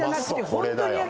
これだよ。